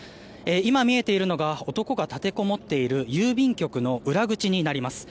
今、見えているのが男が立てこもっている郵便局の裏口になります。